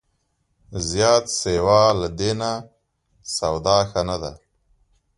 زیات سیوا له دې نه، سودا ښه نه ده